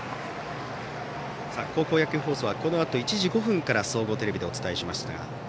高校野球放送はこのあと１時５分から総合テレビでお伝えします。